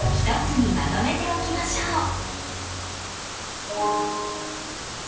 １つにまとめておきましょう。